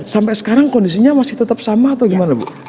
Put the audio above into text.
sampai sekarang kondisinya masih tetap sama atau gimana bu